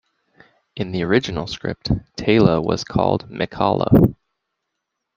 In the original script, Teyla was called Mikala.